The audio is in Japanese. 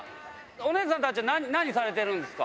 お姉さんたち、何されてるんですか？